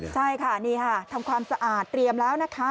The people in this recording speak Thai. ใช่ค่ะนี่ค่ะทำความสะอาดเตรียมแล้วนะคะ